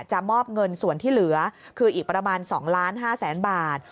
จะมอบเงินส่วนที่เหลือคืออีกประมาณ๒๕๐๐๐๐๐บาท